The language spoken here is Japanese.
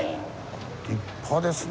立派ですね。